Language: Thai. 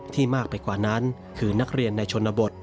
มากไปกว่านั้นคือนักเรียนในชนบท